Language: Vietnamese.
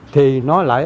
thì nó lại